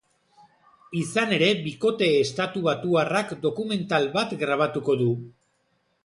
Izan ere bikote estatubatuarrak dokumental bat grabatuko du.